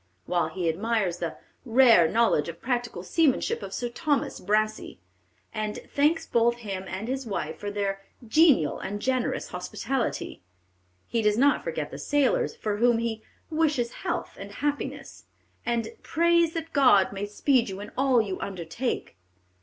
While he admires the "rare knowledge of practical seamanship of Sir Thomas Brassey," and thanks both him and his wife for their "genial and generous hospitality," he does not forget the sailors, for whom he "wishes health and happiness," and "prays that God may speed you in all you undertake."